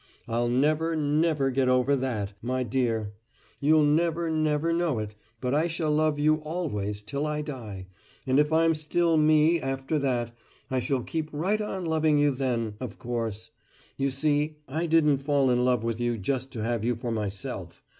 I'll never, never get over that, my dear! You'll never, never know it; but I shall love You always till I die, and if I'm still Me after that, I shall keep right on loving you then, of course. You see, I didn't fall in love with you just to have you for myself.